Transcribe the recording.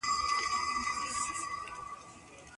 سپین سرې لښتې ته د پام نه کولو له امله سخته جزا ورکړه.